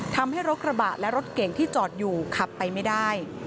ทำให้รถกระบะและรถเก่งที่จอดอยู่ขับไปไม่ได้